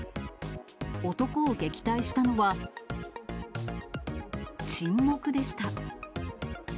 男を撃退したのは、沈黙でした。